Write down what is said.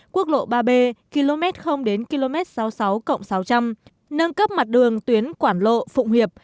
quốc lộ ba b km đến km sáu mươi sáu sáu trăm linh nâng cấp mặt đường tuyến quảng lộ phụng hiệp